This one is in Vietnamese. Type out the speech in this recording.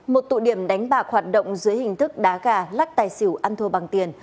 một tụ điểm đánh bạc hoạt động dưới hình thức đá gà lắc tài xỉu ăn thua bằng tiền